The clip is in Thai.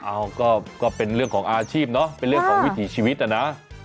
เอ้าก็เป็นเรื่องของอาชีพเนาะเป็นเรื่องของวิถีชีวิตนะ